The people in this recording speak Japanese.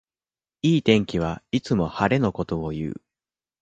いい天気はいつも晴れのことをいう